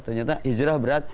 ternyata hijrah berat